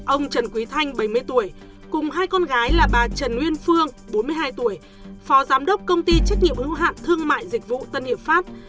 ông trần quý thanh bảy mươi tuổi cùng hai con gái là bà trần nguyên phương bốn mươi hai tuổi phó giám đốc công ty trách nhiệm hữu hạn thương mại dịch vụ tân hiệp pháp